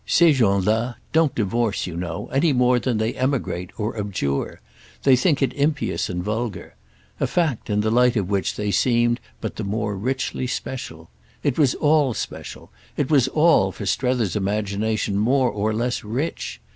"Ces gens là don't divorce, you know, any more than they emigrate or abjure—they think it impious and vulgar"; a fact in the light of which they seemed but the more richly special. It was all special; it was all, for Strether's imagination, more or less rich.